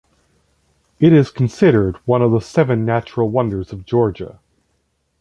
It is considered to be one of the Seven Natural Wonders of Georgia.